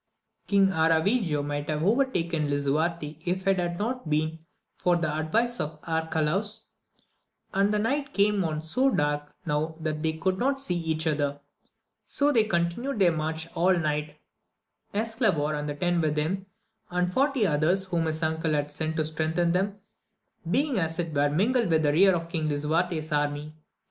ING AEAVIGO might have overtaken Lisu arte if it had not been for the advice of Arcalaus, and the night came on so dark now that they could not see each other : so they con tinued their march all night, Esclavor and the ten with him, and forty others whom his uncle had sent to strengthen them, being as it were mingled with the rear of Lisuarte's army.